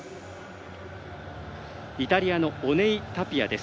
イタリアのオネイ・タピアです。